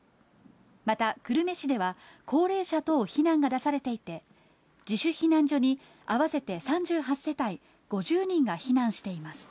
また久留米市では、高齢者等避難が出されていて、自主避難所に合わせて３８世帯５０人が避難しています。